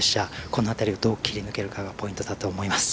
この辺りをどう切り抜けるかがポイントだと思います。